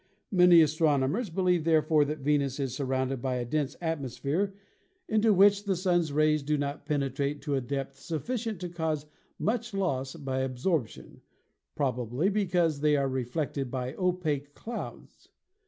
Many astronomers believe therefore that Venus is sur rounded by a dense atmosphere into which the Sun's rays do not penetrate to a depth sufficient to cause much loss by absorption — probably because they are reflected by opaque clouds.